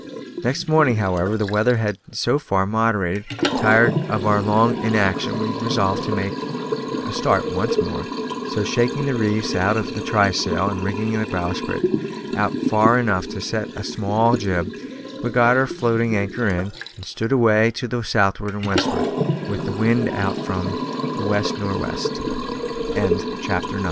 Next morning, however, the weather had so far moderated that, tired of our long inaction, we resolved to make a start once more, so shaking the reefs out of the trysail, and rigging our bowsprit out far enough to set a small jib, we got our floating anchor in, and stood away to the southward and westward, with the wind out from about west nor' west. CHAPTER TEN. CHASED BY PIRATES.